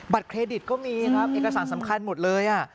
เครดิตก็มีครับเอกสารสำคัญหมดเลย